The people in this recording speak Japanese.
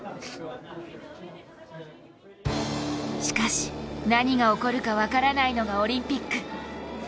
しかし、何が起こるか分からないのがオリンピック。